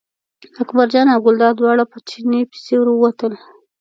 اکبرجان او ګلداد دواړه په چیني پسې ور ووتل.